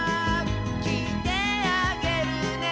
「きいてあげるね」